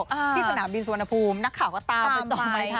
ที่สนามบินสุวรรณภูมินักข่าก็ตามไป